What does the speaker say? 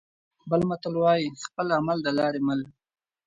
بل متل وايي: خپل عمل د لارې مل.